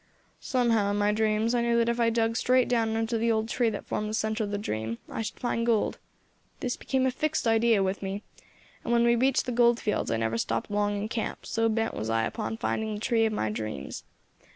"Somehow, in my dreams, I knew that if I dug straight down under the old tree that formed the centre of the dream I should find gold. This became a fixed idea with me, and when we reached the gold fields I never stopped long in camp, so bent was I upon finding the tree of my dreams.